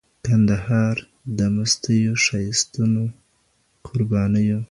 کندهار د مستیو، ښایستونو، قربانیو